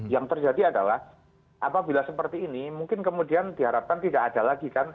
yang terjadi adalah apabila seperti ini mungkin kemudian diharapkan tidak ada lagi kan